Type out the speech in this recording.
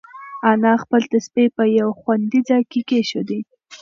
انا خپل تسبیح په یو خوندي ځای کې کېښوده.